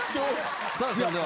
さあそれでは。